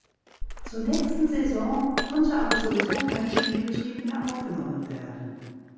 Zur nächsten Saison konnte aber sowieso kein Spielbetrieb mehr aufgenommen werden.